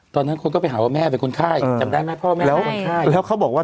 ตอนนั้นคนก็ไปหาว่าแม่เป็นคนไข้จำได้ไหมพ่อแม่แล้วคนไข้แล้วเขาบอกว่า